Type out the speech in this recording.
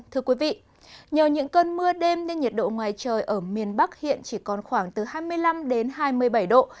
thưa quý vị nhờ những cơn mưa đêm nên nhiệt độ ngoài trời ở miền bắc hiện chỉ còn khoảng từ hai mươi năm đến hai mươi bảy độ